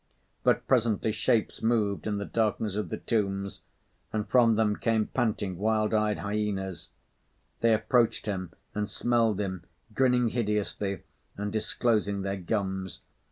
But presently, shapes moved in the darkness of the tombs, and from them came panting, wild eyed hyenas. They approached him and smelled him, grinning hideously and disclosing their gums.